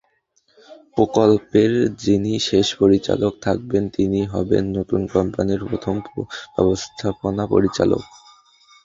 প্রকল্পের যিনি শেষ পরিচালক থাকবেন তিনি হবেন নতুন কোম্পানির প্রথম ব্যবস্থাপনা পরিচালক।